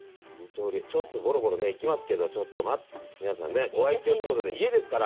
ちょっとゴロゴロねいきますけどちょっと待って皆さんねご愛きょうということで家ですから。